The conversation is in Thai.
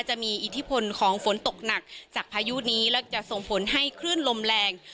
จะมีอิทธิพลของฝนตกหนักจากพายุนี้และจะส่งผลให้คลื่นลมแรง